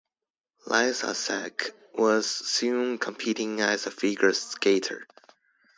Lysacek was soon competing as a figure skater.